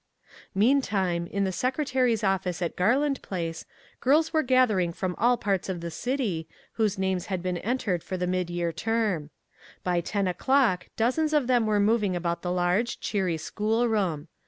Meantime, in the secretary's office at Garland Place, girls were gathering from all parts of the city, whose names had been entered for the midyear term. By ten o'clock dozens of them were moving about the large, cheery school room.